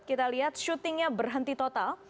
kita lihat syutingnya berhenti total